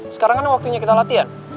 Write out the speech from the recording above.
sekarang kan waktunya kita latihan